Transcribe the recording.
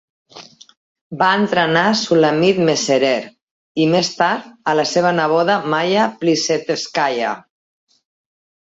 Va entrenar Sulamith Messerer i, més tard, a la seva neboda Maia Plissétskaia.